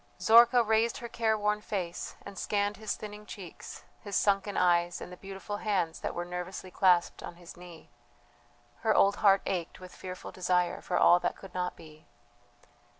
Zorka raised her careworn face and scanned his thinning cheeks, his sunken eyes, and the beautiful hands that were nervously clasped on his knee. Her old heart ached with fearful desire for all that could not be.